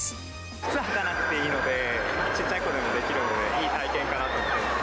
靴履かなくていいので、ちっちゃい子でもできるので、いい体験かなと思って。